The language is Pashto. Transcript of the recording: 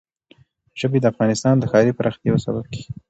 ژبې د افغانستان د ښاري پراختیا یو سبب کېږي.